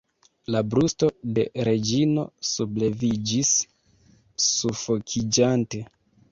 La brusto de Reĝino subleviĝis, sufokiĝante.